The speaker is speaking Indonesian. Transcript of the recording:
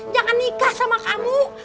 jangan nikah sama kamu